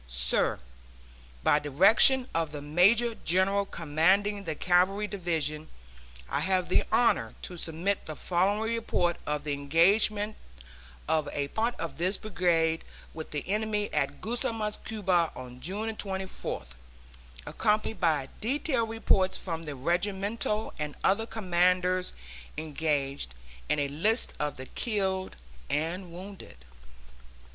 SIR: By direction of the major general commanding the Cavalry Division, I have the honor to submit the following report of the engagement of a part of this brigade with the enemy at Guasimas, Cuba, on June 24th, accompanied by detailed reports from the regimental and other commanders engaged, and a list of the killed and wounded